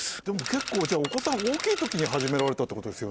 結構お子さん大きい時に始められたってことですよね？